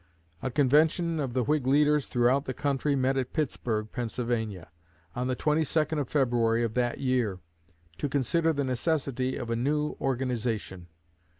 A convention of the Whig leaders throughout the country met at Pittsburgh, Pennsylvania, on the 22d of February of that year, to consider the necessity of a new organization.